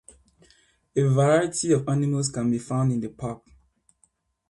A variety of animals can be found in the park.